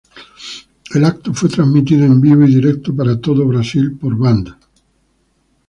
El evento fue transmitido en vivo y directo para toda Brasil por Band.